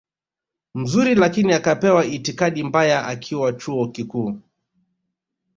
mzuri lakini akapewa itikadi mbaya akiwa chuo kikuu